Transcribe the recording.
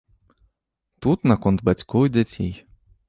Тут наконт бацькоў і дзяцей.